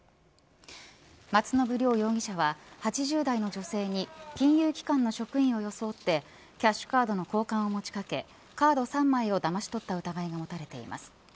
松信涼容疑者は８０代の女性に金融機関の職員を装ってキャッシュカードの交換を持ちかけカード３枚を、だまし取った疑いが持たれています。